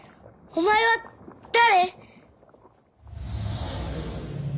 お前は誰！？